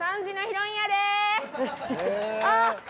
あっ！